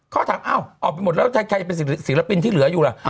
เขาถามอ้าวออกไปหมดแล้วใครจะเป็นศิลปินที่เหลืออยู่ล่ะ